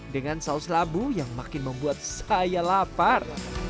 dengan saus labu yang makin membuat saya lapar